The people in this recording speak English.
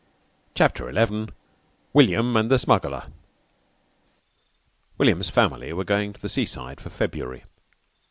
CHAPTER XI WILLIAM AND THE SMUGGLER William's family were going to the seaside for February.